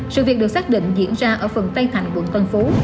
sự việc được xác định diễn ra ở phường tây thành quận tân phú